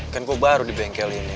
kan kok baru di bengkel ini